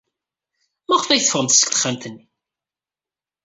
Maɣef ay teffɣemt seg texxamt-nni?